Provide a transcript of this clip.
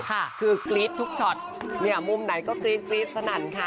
คือกรี๊ดทุกช็อตเนี่ยมุมไหนก็กรี๊ดกรี๊ดสนั่นค่ะ